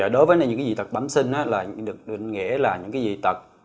đối với những dị tật bẩm sinh là những dị tật